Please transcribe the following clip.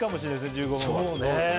１５分は。